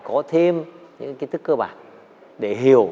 có thêm những kiến thức cơ bản